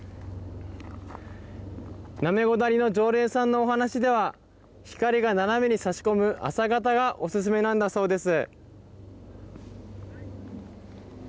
ナメゴ谷の常連さんの話では光が斜めに差し込む朝方がおすすめなんだそうです。